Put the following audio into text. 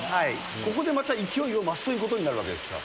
ここでまた勢いを増すということになるわけですか。